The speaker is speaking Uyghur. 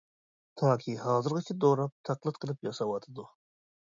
تاكى ھازىرغىچە دوراپ، تەقلىد قىلىپ ياساۋاتىدۇ.